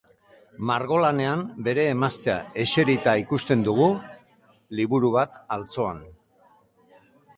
Margolanean bere emaztea eserita ikusten dugu, liburu bat altzoan.